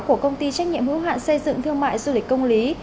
của công ty trách nhiệm hữu hạn xây dựng thương mại du lịch công lý